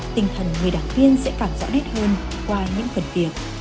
tinh thần người đảng viên sẽ càng rõ nét hơn qua những phần việc